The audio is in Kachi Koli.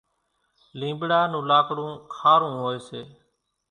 لينٻڙا نون لاڪڙون کارون هوئيَ سي۔